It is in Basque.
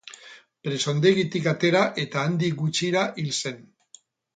Presondegitik atera, eta handik gutxira hil zen.